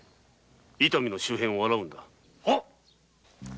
伊丹の周辺を洗うのだ。